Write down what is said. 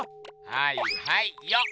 はいはいよっ！